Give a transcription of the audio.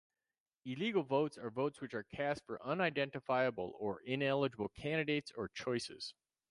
Illegal votes are votes which are cast for unidentifiable or ineligible candidates or choices.